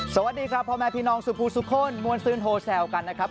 สวัสดีครับพ่อแม่พี่น้องสุพูทุกคนมวลซืนโทรแซวกันนะครับ